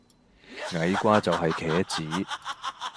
矮瓜就係茄子